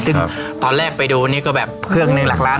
ซึ่งตอนแรกไปดูนี่ก็แบบเครื่องหนึ่งหลักล้าน